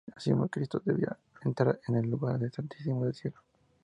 Asimismo Cristo debía entrar en el Lugar Santísimo del cielo.